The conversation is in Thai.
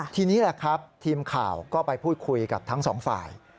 ทีนี้แหละครับทีมข่าวก็ไปพูดคุยกับทั้งสองฝ่าย